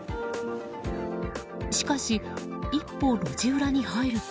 しかし一歩、路地裏に入ると。